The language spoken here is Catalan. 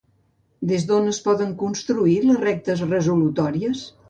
Des d'on es poden construir les rectes resolutòries?